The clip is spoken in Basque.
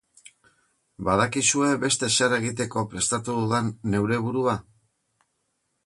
Badakizue beste zer egiteko prestatu dudan neure burua?